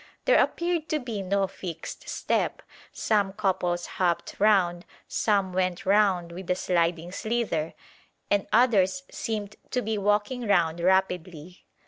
There appeared to be no fixed step; some couples hopped round, some went round with a sliding slither, and others seemed to be walking round rapidly.